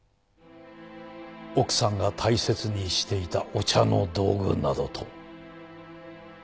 奥さんが大切にしていたお茶の道具などと。